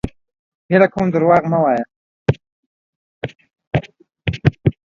هيله کوم دروغ مه وايه!